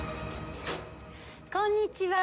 こんにちは！